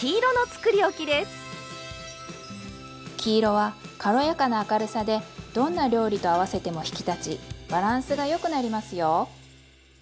黄色は軽やかな明るさでどんな料理と合わせても引き立ちバランスがよくなりますよ。